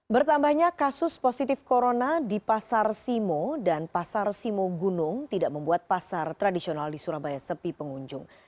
bertambahnya kasus positif corona di pasar simo dan pasar simo gunung tidak membuat pasar tradisional di surabaya sepi pengunjung